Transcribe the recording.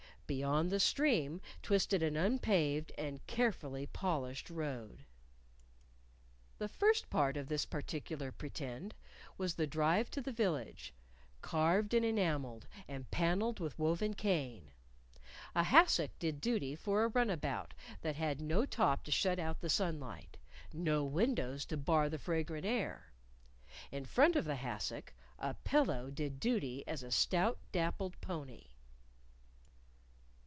Beyond the stream twisted an unpaved and carefully polished road. The first part of this particular Pretend was the drive to the village carved and enameled, and paneled with woven cane. A hassock did duty for a runabout that had no top to shut out the sun light, no windows to bar the fragrant air. In front of the hassock, a pillow did duty as a stout dappled pony.